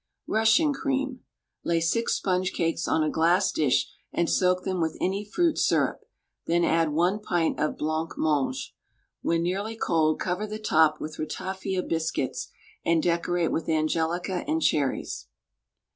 RUSSIAN CREAM. Lay 6 sponge cakes on a glass dish, and soak them with any fruit syrup; then add 1 pint of blancmange. When nearly cold cover the top with ratafia biscuits and decorate with angelica and cherries.